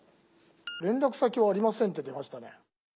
「連絡先はありません」って出ましたね。